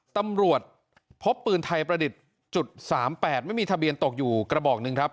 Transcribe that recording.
ตำรวจพบปืนไทยประดิษฐ์๓๘ไม่มีทะเบียนตกอยู่กระบอกหนึ่งครับ